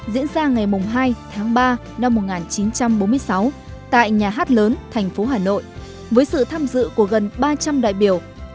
diễn ra ngày hai tháng ba năm một nghìn chín trăm bốn mươi sáu tại nhà hát lớn thành phố hà nội với sự tham dự của gần ba trăm linh đại biểu